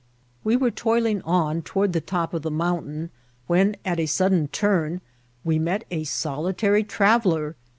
We were toiling on toward the top of the mountain, when, at a sudden turn, we met a solitary traveller.